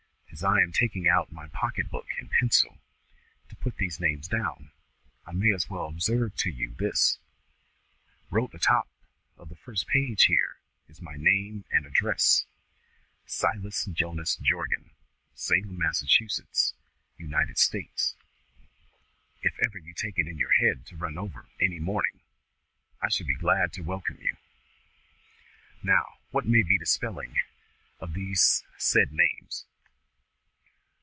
As I am taking out my pocket book and pencil to put the names down, I may as well observe to you that this, wrote atop of the first page here, is my name and address: 'Silas Jonas Jorgan, Salem, Massachusetts, United States.' If ever you take it in your head to run over any morning, I shall be glad to welcome you. Now, what may be the spelling of these said names?"